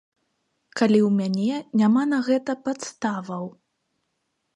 Калі ў мяне няма на гэта падставаў.